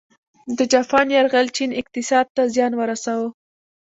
د جاپان یرغل چین اقتصاد ته زیان ورساوه.